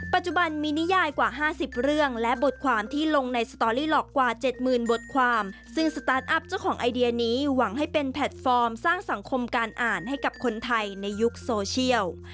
ปัจจุบันมีนิยายกว่า๕๐เรื่องและบทความที่ลงในสตอรี่หลอกกว่าเจ็ดหมื่นบทความซึ่งสตาร์ทอัพเจ้าของไอเดียนี้หวังให้เป็นแพลตฟอร์มสร้างสังคมการอ่านให้กับคนไทยในยุคโซเชียล